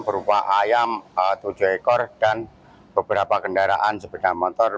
berupa ayam tujuh ekor dan beberapa kendaraan sepeda motor